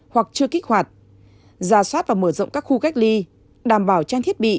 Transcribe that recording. hoặc chưa kích hoạt giả soát và mở rộng các khu cách ly đảm bảo trang thiết bị